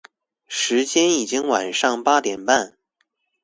時間已經晚上八點半